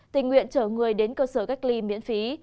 tình nguyện chở người đến cơ sở cách ly miễn phí